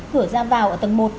cửa ra vào ở tầng một